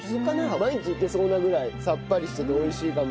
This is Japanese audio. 毎日いけそうなぐらいサッパリしてて美味しいかも。